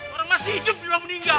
orang masih hidup belum meninggal